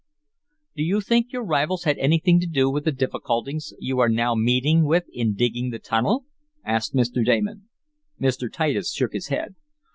"Do you think your rivals had anything to do with the difficulties you are now meeting with in digging the tunnel?" asked Mr. Damon. Mr. Titus shook his head.